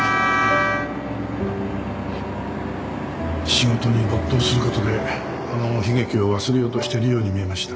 仕事に没頭する事でこの悲劇を忘れようとしているように見えました。